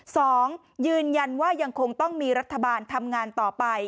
สองยืนยันว่ายังคงต้องมีรัฐบาลทำงานต่อไป